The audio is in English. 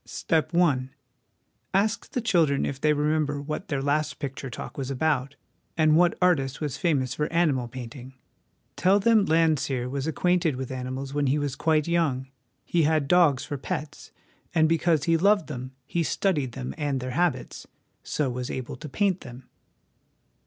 " Step I. Ask the children if they remember what their last picture talk was about, and what artist was famous for animal painting. Tell them Landseer was acquainted with animals when he was quite young: he had dogs for pets, and because he loved them he studied them and their habits so was able to paint them.